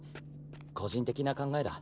個人的な考えだ。